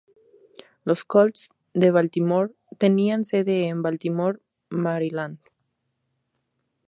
Los Colts de Baltimore tenían sede en Baltimore, Maryland.